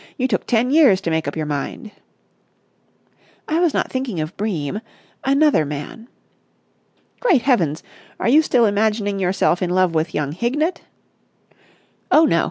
You took ten years to make up your mind." "I was not thinking of Bream. Another man." "Great Heavens! Are you still imagining yourself in love with young Hignett?" "Oh, no!